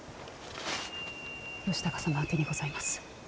義高様宛てにございます。